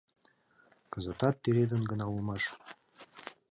Кызытат тӱредын гына улмаш.